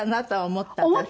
思った？